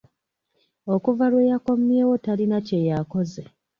Okuva lwe yakomyewo talina kye yaakoze.